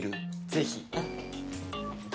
ぜひ。